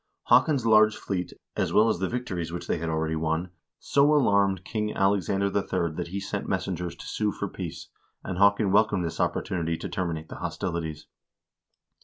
Haakon's large fleet, as well as the victories which he had already won, so alarmed King Alexander III. that he sent messengers to sue for peace, and Haakon welcomed this opportunity to terminate the hostilities.